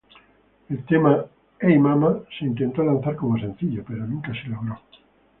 El tema "Hey Mama" se intentó lanzar como sencillo, pero nunca se logró.